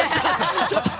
ちょっと！